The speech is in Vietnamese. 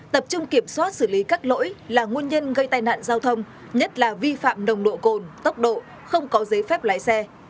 tập trung kiểm soát xử lý các lỗi là nguồn nhân gây tai nạn giao thông nhất là vi phạm nồng độ cồn tốc độ không có giấy phép lái xe